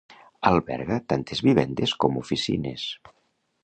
Alberga tantes vivendes com oficines.